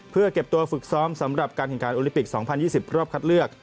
เพื่อเก็บตัวฝึกซ้อมสำหรับการแข่งขันโอลิปิก๒๐๒๐รอบคัดเลือก